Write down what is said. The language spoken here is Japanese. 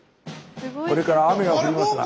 これから雨が降りますが。